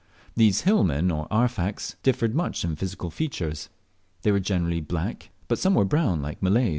These hillmen or "Arfaks" differed much in physical features. They were generally black, but some were brown like Malays.